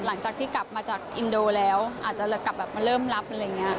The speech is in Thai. หลังจากที่กลับมาจากอินโดแล้วอาจจะกลับมาเริ่มรับอะไรอย่างนี้